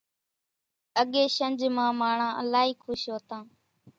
اڳيَ شنجھ مان ماڻۿان الائِي کُش هوتان۔